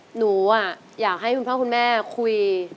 หนูอยากให้คุณพ่อคุณแม่คุย